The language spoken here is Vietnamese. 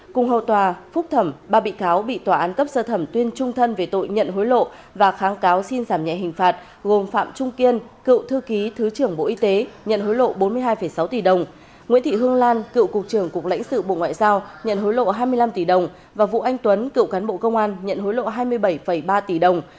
cùng hầu tòa phúc thẩm ba bị cáo bị tòa án cấp sơ thẩm tuyên trung thân về tội nhận hối lộ và kháng cáo xin giảm nhẹ hình phạt gồm phạm trung kiên cựu thư ký thứ trưởng bộ y tế nhận hối lộ bốn mươi hai sáu tỷ đồng nguyễn thị hương lan cựu cục trưởng cục lãnh sự bộ ngoại giao nhận hối lộ hai mươi năm tỷ đồng và vũ anh tuấn cựu cán bộ công an nhận hối lộ hai mươi bảy ba tỷ đồng